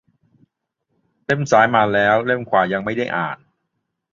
เล่มซ้ายมาแล้ว เล่มขวายังไม่ได้อ่าน